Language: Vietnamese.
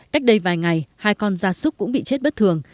cách đây vài ngày hai con da súc cũng bị chết bất thường